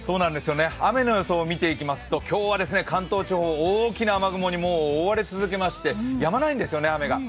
雨の予想を見ていきますと、今日は関東地方、大きな雨雲にもう覆われ続けまして、やまないんです、雨が。